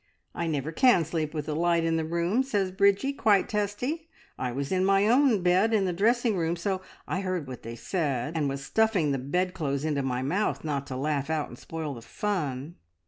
`I never can sleep with a light in the room,' says Bridgie, quite testy... I was in my own bed in the dressing room, so I heard what they said, and was stuffing the bedclothes into my mouth not to laugh out, and spoil the fun.